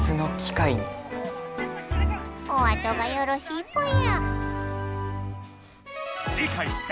おあとがよろしいぽよ。